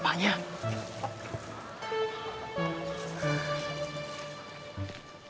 agak keren sih sih ini